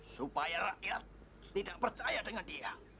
supaya rakyat tidak percaya dengan dia